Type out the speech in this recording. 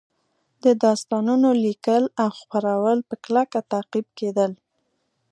د داستانونو لیکل او خپرول په کلکه تعقیب کېدل